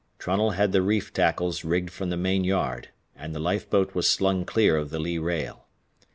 Trunnell had the reef tackles rigged from the main yard, and the life boat was slung clear of the lee rail.